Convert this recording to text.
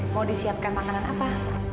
mau disiapkan makanan apa